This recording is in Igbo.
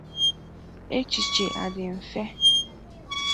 echichè adị mfe.